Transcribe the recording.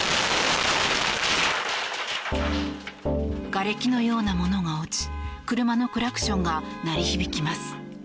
がれきのようなものが落ち車のクラクションが鳴り響きます。